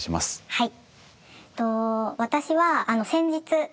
はい。